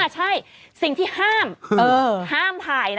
ใช่สิ่งที่ห้ามห้ามถ่ายนะ